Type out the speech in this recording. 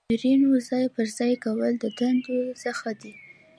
د مامورینو ځای پر ځای کول د دندو څخه دي.